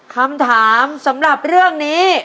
คำถามสำหรับเรื่องนี้